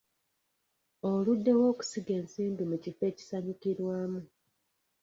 Oluddewo okusiga ensimbi mu kifo ekisanyukirwamu.